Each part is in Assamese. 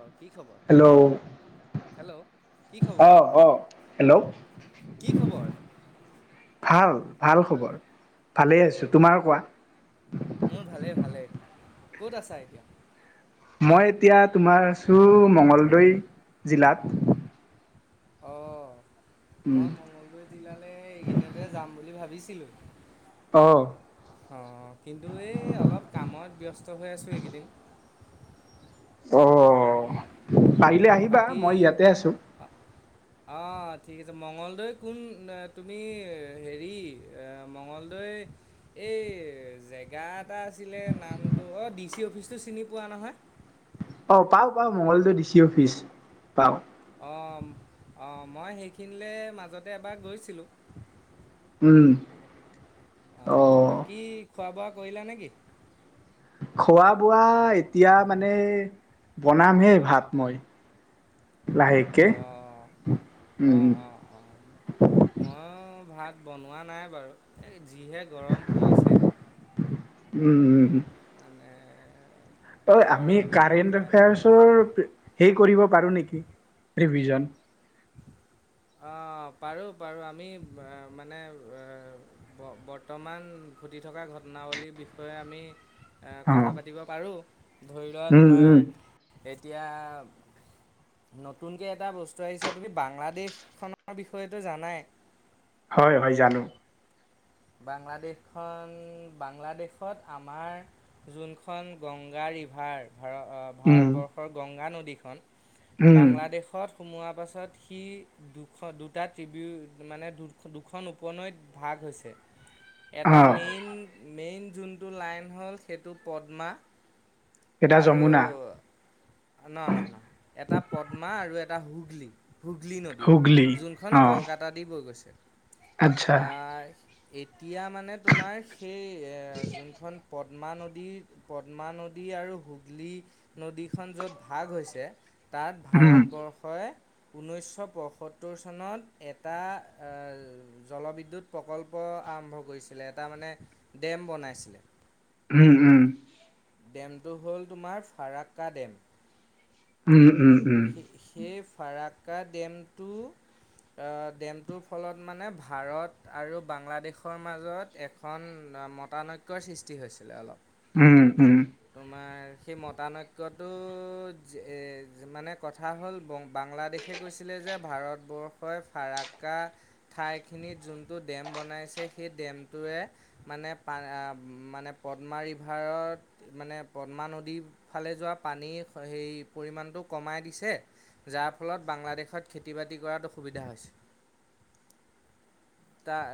অ কি খবৰ হেল্ল' হেল্ল' কি অ খবৰ অ হেল্ল' কি খবৰ ভাল ভাল খবৰ ভালেই অঁ আছোঁ তোমাৰ কোৱা মোৰ ভালেই ভালেই ক'ত আছা এতিয়া মই এতিয়া তোমাৰ আছো মঙগলদৈ জিলাত অ মই মংগলদৈ জিলালে এইকেইদিনতে যাম বুলি ভাবি বছিল লৈ অহ অ কিন্তু এই অলপ কামত ব্যস্ত হৈ আছোঁ এইকেইদিন উ পাৰিলে আহিবা বাকী মই ইয়াতে আছো অঁ ঠিক আছে মঙ্গলদৈ কোন তুমি হেৰি মঙলদৈ এই জেগাত এটা আছিলে নামটো অ দি চি অফিচটো চিনি পোৱা নহয় অ পাও পা মংগলটো ডি চি অফিচ পাওঁ অঁ অঁ মই সেইখিনিলৈ মাজতে এবাৰ গৈছিলোঁ উম অ' বাকী, খোৱা বোৱা কৰিলা নেকি খোৱা বোৱা এতিয়া মানে বনামহে ভাত মই। লাহেকে, অঁ অঁ উম। অঁ অঁ ময়ো ভাত বনোৱা নাই বাৰু যিহে গৰম পৰিছে উম উম উম মানে, অ', বৰ আমি কাৰেণ্ট বেয়া এফেয়াৰ্চৰ সেই [unintelligible] অঁ পাৰোঁ পাৰোঁ আমি মানে ব বৰ্তমান ঘটি থকা ঘটনাৱলীৰ বিষয়ে আমি এ অ কথা পাতিব পাৰো। উম উম [unintelligible] এতিয়া নতুনকৈ এটা বস্তু আহিছে তুমি বাংলাদেশ খনৰ বিষয়েটো জানাই, হয় হয় জানো বাংলাদেশখন বাংলাদেশত আমাৰ যোনখন গংগা ৰিভাৰ ভাৰ উম ভাৰতবৰ্ষৰ গংগা নদী। দিখন উম বাংলাদেশত। সোমোৱাৰ পাছত সি দুখন দুটা ট্ৰিবিউ মানে দু দুখন উপনৈত ভাগ হৈছে এটা অ মেইন মেইন যোনটো লাইন হ'ল সেইটো পদ্মা এটা আৰু যমুনা ন নহ নহ এটা পদ্মা আৰু এটা হুগলি হুগলী নদী, হুগলী যোনখন অ কলকাতা দি বৈ গৈছে, আচ্ছা [unintelligible] আহ। এই এতিয়া মানে তোমাৰ সেই যোনখন পথ পদ্মা নদী, পদ্মা নদী আৰু হুগলী নদী, খখন য'ত ভাগ হৈছে, তাত উম ভাৰতবৰ্ষই ঊনৈছশ পয়সত্তৰ চনত এটা জলবিদ্যুৎ প্ৰকল্প আৰম্ভ কৰিছিলে এটা মানে ডেম বনাইছিলে। উম উম। ডেমটো হ'ল তোমাৰ ফাৰাক্কা ডেম, উম উম। সেই সেইফ ফাৰ্কা ডেমটো ডেমটোৰ ফলত মানে ভাৰত আৰু বাংলাদেশৰ মাজত এখন মতানৈক্যৰ সৃষ্টি হৈছিলে অলপ। উম উম। তোমাৰ সেই মতানৈক্যটো যিমানে, কথা হ'ল বাংলাদেশে কৈছিলে যে ভাৰতবৰ্ষই ফাৰাক্কা ঠাইখিনিত যোনটো ডেম বনাইছে সেই ডেমটোৱে মানো মানে পদ্মা ৰিভাৰত মানে পদ্মা নদীৰ ফালে যোৱা পানীৰ সেই পৰিমাণটো কমাই দি যাৰ ফলত বাংলাদেশত খেতি বাতি কৰাত অসুবিধা হৈছে। তাৰ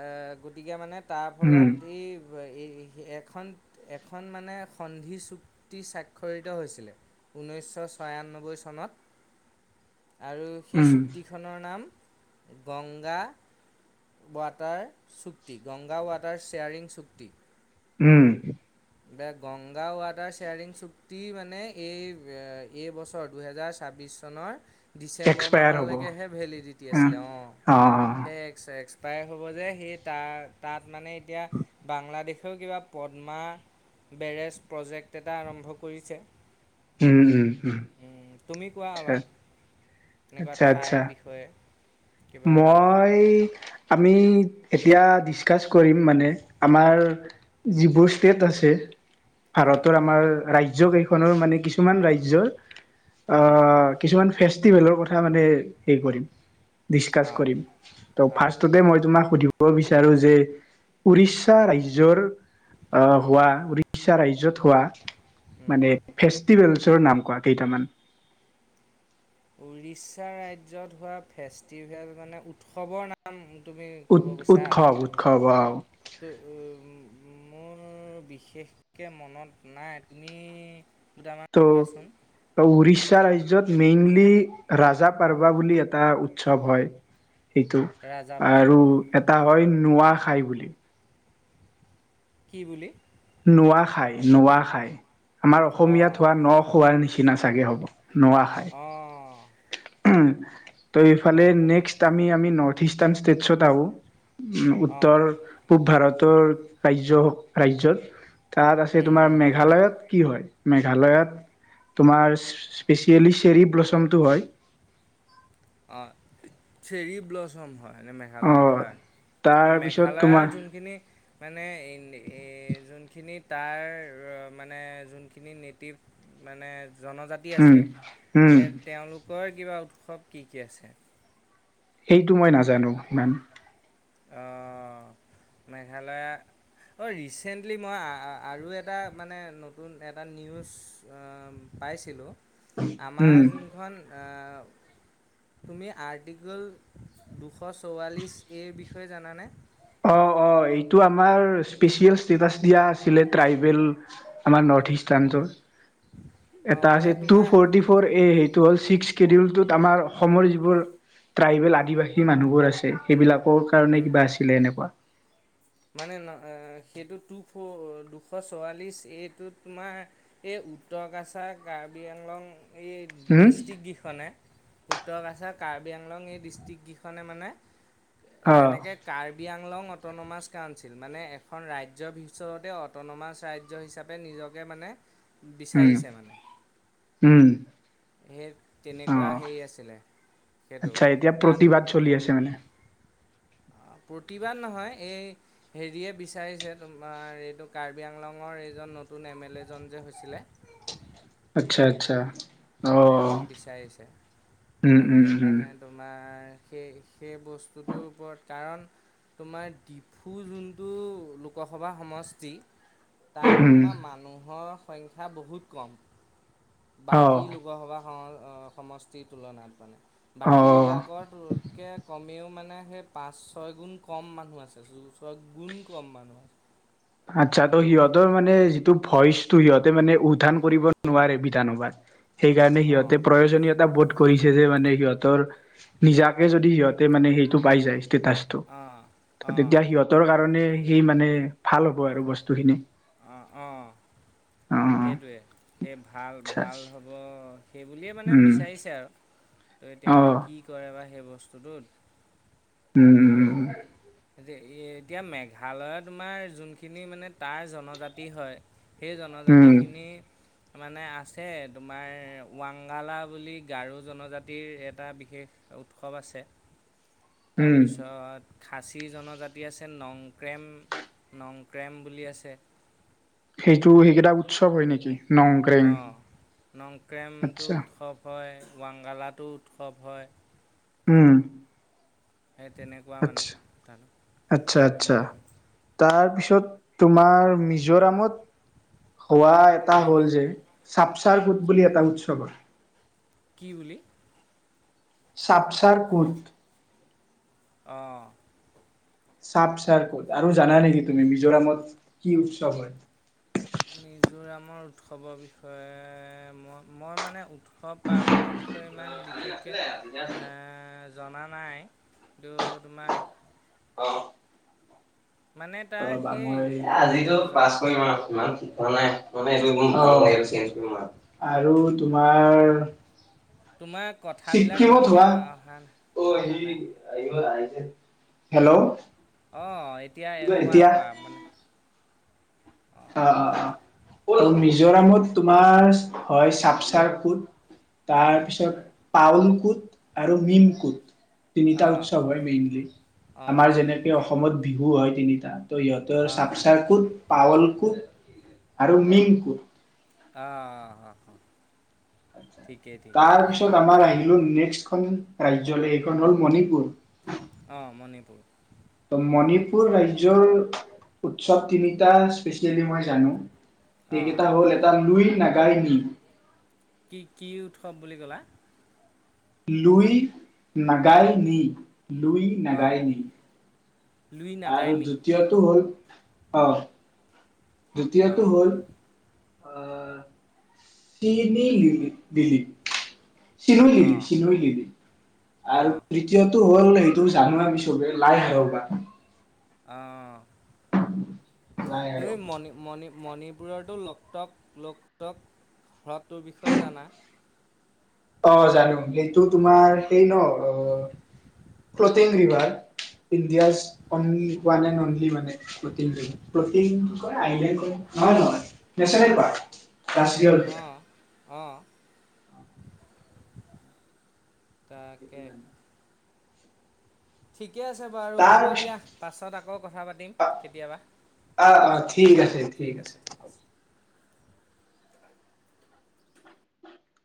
গতিকে মানে, তাৰ উম উম ফলত এই, স এখন এখন মানে সন্ধি চুক্তি স্বাক্ষৰিত হৈছিলে, ঊনৈছশ ছয়ান্নব্বৈ চনত। আৰু সেই উম চুক্তিখনৰ নাম, গংগা ৱাটাৰ চুক্তি গংগা ৱাটাৰ শ্বেয়াৰিং চুক্তি উম। গংগা ৱাটাৰ শ্বেয়াৰিং চুক্তি মানে এই এই বছৰ দুহেজাৰ ছাব্বিছ চনৰ, ডিচেম্বৰ এক্সপায়াৰ হ'ব মাহলৈকেহে ভেলিডিটি অ আছিলে, অঁ অ সে এক্সে্স প্ৰায় হ'ব যে সেই তাৰ তাত মানে এতিয়া বাংলাদেশেও কিবা পদ্মা- বেৰেজ প্ৰজেক্ট এটা আৰম্ভ কৰিছে, উম উম উম। উম। তুমি কোৱা আচ্ছা অলপ। এনেকুৱা আচ্ছা ঠাইৰ আচ্ছা বিষয়ে, কিবা জানা মই আপ আমি এতিয়া ডিছকাছ কৰিম মানে আমাৰ যিবোৰ ষ্টেট আছে। হা ভাৰতৰ আমাৰ ৰাজ্যকেই খনৰ মানে কিছুমান ৰাজ্যৰ, উম অ', কিছুমান, ফেষ্টিভেলৰ কথা মানে হে কৰিম, দিচাং অঁ কৰিম। ত' অঁ ফাৰ্ষ্টটোতে মই তোমাক সুধিম ক'ব বিচাৰো যে, উৰিষ্যা ৰাজ্যৰ অ' উম হোৱা, উৰিষ্যা ৰাজত হোৱা, উম মানে ফেষ্টিভেল চৰ নাম কোৱা কেইটামান। উৰিষ্যা ৰাজ্যত হোৱা ফেষ্টিভেল মানে উৎসৱৰ নাম তুমি উৎ ক'ব কৈছা, উৎসৱ উৎসৱ তুও ম মোৰ বিশেষকে মনত নাই, তুমি দুটামান কোৱাচোন। ষ্যা ৰাজ্যত মেইনলি, 'ৰাজা পাৰ্বা' বুলি এটা উৎসৱ হয় সেইটো ৰাজা পাৰ্বা আৰু এটা অইন 'নোৱা খাই' বুলি কি বুলি? 'নোৱা খাই', 'নোৱা খাই' আমাৰ অঁ অসমীয়াত হোৱা ন-খোৱাৰ নিচি চিনা চাগে হ'ব নোৱা খাই। অঁ [inaudible] ত' এইফালে, হয় হয় নেক্সট আমি আমি নৰ ইষ্টান ষ্টেটছত আহো। উম, অঁ উত্তৰ-পূব ভাৰত। উওৰ ৰাজ্য, ৰাজ্যত তাত আছে উম তোমাৰ উম মেঘালয়ত কি হয়? মেঘালয়ত তোমাৰ স্পেচিয়েলি চেৰী ব্ল'চমটো হয়। অ', চেৰি ব্ল'চম হয়। মানে মেঘালয়ত অ', হয়। তাৰপিছত মেঘালয়ৰ তোমাৰ যোনখিনি মানে এন এ যোন যিখিনি তাৰ মানে যোনখিনি নেটিভ মানে জনজাতি উম, আছে, উম, এ তেওঁলোক কৰ কিবা উৎসৱ কি কি আছে? সেইটো মই নাজানো ইমান অ' মেঘালয়া, অ' ৰিচেণ্টলি মই আ আ আৰু এটা মানে নতুন এটা নিউজ উম পাইছিলোঁ। আমাৰ উম। যোনখন আ তুমি আৰ্টিকল দুশ চৌৰাল্লিছ এ বিষয় য়ে জানানে অ' অ' এইটো আমাৰ স্পেচিয়েল ষ্টেটাচ দিয়া আছিলে ট্ৰাইবেল, আমাৰ নৰ্থ ইষ্টাৰণটোৰ। অ' এটা মানে আছে টু তোমাৰ ফৰ্টি ফৰ এই [unintelligible] আমাৰ অসমৰ যিবোৰ ট্ৰাইবেল আদিবাসী মানুহবোৰ আছে, সেইবিলাক কৰ কাৰণে উম, কিবা আছি তেনেকুৱা মানে ন সেইটো টু ফৰ, দুশ চৌৰাল্লিশ এইটো তোমাৰ এই উত্তৰ কাছাৰ কাৰ্বি-আংলং। এই হম ডৃষ্টিককিখনে উত্তৰ কাছাৰ, কাৰ্বি আংলং এই ডিষ্ট্ৰিক্টকেইখনে মানে অ', যেনেকে কাৰ্বি-আং লং অট'নমাছ মানে এখন ৰাজ্যৰ ভিতৰতে অটনমাচ ৰাজ্য হিচাপে নিজকে মানে, উম, বিচাৰিছে মানে উম, সেই তেনেকুৱা অ', হেৰি আছিলে সেইটো আচ্ছা এতিয়া তাত প্ৰতিবাদ চলি আছে মানে প্ৰতিবাদ নহয়, এই হেৰিয়ে বিচাৰিছে তোমাৰ এইটো কাৰ্বি আংলঙৰ এইজন নতুন এম এল এজন যে হৈছিলে। আচ্ছা আচ্ছা তেওঁ অ', বিচাৰিছে উম, উম, তাকে উম। মানে তোমাৰ সেই সেই বস্তুটোৰ ওপৰত কাৰণ তোমাৰ ডিফু যোনটো লোকসভা সমষ্টি তাত উম, তোমাৰ মানুহৰ সংখ্যা বহুত কম বাকী অ', লোকসভা সমষ্টিৰ তুলনাত মানে অ'। বাকীবিলাকৰ [unintelligible] আমিও মানে সেই পাঁচ ছয় গুণ কম মানুহ আছে ছয় গুণ কম মানুহ আছে আচ্ছা ত' বহুত সিহঁতৰ মানে যিটো ভইচ সিহঁতে মানে উদ্ধান কৰিব নোৱাৰে বিধানসভাত। সেইকাৰণে সিহঁতে অঁ প্ৰয়োজনীয়তা বহুত কৰিছে যে মানে সিহঁতৰ নিজাকে যদি সিহঁতে মানে সেইটো পাই যায় ষ্টেচটো অঁ ত অঁ তেতিয়া সিহঁতৰ কাৰণে সেই মানে ভাল হ'ব আৰু বস্তুখিনি আহঁ, অঁ। অ'। সেইটোৱে সেই ভাল আচ্ছা ভাল হ'ব সেই বুলিয়ে মানে উম, বিচাৰিছে আৰু তো এতিয়া অ', কি কৰে। তই সেই বস্তুটোত। উম, উম, উম। তো এতিয়া মেঘালয়ত তোমাৰ যোনখিনি মানে তাৰ জনজাতি হয়। সেই জনজাতি। উম, মানে আছে তোমাৰ ৱাংগালা বুলি গাৰো জনজাতিৰ এটা বিশেষ উৎসৱ আছে। উম। তাৰপিছত খাচী জনজাতি আছে নংক্ৰেম নংক্ৰেম বুলি আছে। সেইটো সেইকেইটা উৎসৱ হয় নেকি। নংক্ৰেং অ', নংক্ৰেমটো আচ্ছা উৎসৱ হয়। ৱাংগালাটো উৎসৱ হয়। উম। সেই তেনেকুৱা মানে আচ্ছা। কথা। তো তোমাৰ মিজোৰামত হোৱা এটা হ'ল মি- যে। ছাপচাৰ কুট বুলি এটা উৎসৱ হয়। কি বুলি? ছাপচাৰ কুট। অ'। ছাপচাৰ কুট আৰু জানা নেকি তুমি মিজোৰামত কি উৎসৱ হয়? [inaudible] উৎসৱৰ বিষয়ে মই মই মানে উৎস। উৎসৱ পাৰ্বণৰ বিষয়ে ইমান বিশেষকে, এ। জনা নাই। কিন্তু তোমাৰ। মানে তাৰ ৰবা সেই মই আজিতো জ পাচ কৰিম মান। আৰু তোমাৰ তোমাৰ কথাবিলাক ছিক্কিমত ভালকে হোৱা অহা নাই অ' সি অহা নাই। আহিব আহিছে। হেল্ল'। অ'। এতিয়া এ কোৱা এতিয়া কোৱা মানে। অঁ অ', অ', অ', অঁ মিজোৰামত তোমাৰ হয় ছাপচাৰ ফুট। তাৰ অঁ পিছত পাউল কুট আৰু মিম কুট। তিনিটা অঁ উৎসৱ হয় মেইনলি, অঁ আমাৰ যেনেকে অসমত। বিহু হয় তিনিটা। ত ইহতৰ অঁ অঁ ছাপচাৰ কুত, পাওল। আৰু মিং কুট। অ'। তাৰপিছত আমাৰ আহিলো নেক্স এখন ৰাজ্যলে এইখন হ'ল মণিপুৰ। অ মণিপুৰ মণিপুৰ ৰাজ্যৰ উৎসৱ তিনিটা অঁ সেইকেইটা হ'ল এটা লুই নাগাই ন। কি কি উৎসৱ বুলি ক'লা? লুই নাগাল নি লুই অঁ নাগায় নি লুই আৰু নাগাইমি দ্বিতীয়টো হ'ল? আহ দ্বিতীয়টো অঁ হ'ল, [unintelligible] চিলিও লিলি অঁ চিলিও লিলি আৰু অ', তৃতীয়তটো হ'ল? সেইটো জানো আমি চবে লাই হায়বা অঁ লাই তুমি হাৰবা মণি-মণি, মণিপুৰতো লকটক লোকটক হ্ৰাদটোৰ বিষয়ে জানা, অ জানো সেইটো তোমাৰ সেই ন কাচিৰ [unintelligible] অ', অ', এতিয়া তাকে যামা ঠিকে আছে বাৰু তাৰ হ'ব দিয়া পিছত পাছত আকৌ কথা পাতিম অ' কেতিয়াবা অ' অ' ঠিক আছে ঠিক আছে।